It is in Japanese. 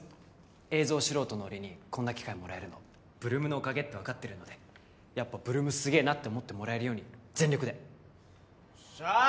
映像素人の俺にこんな機会もらえるの８ＬＯＯＭのおかげって分かってるのでやっぱ８ＬＯＯＭすげえなって思ってもらえるように全力でよっしゃあ！